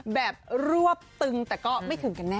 แบบรวบตึงแต่ก็ไม่ถึงกันแน